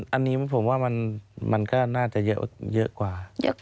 อันนี้ผมว่ามันก็น่าจะเยอะกว่า